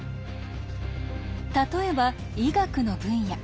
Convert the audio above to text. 例えば医学の分野。